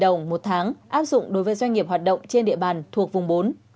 đồng một tháng áp dụng đối với doanh nghiệp hoạt động trên địa bàn thuộc vùng bốn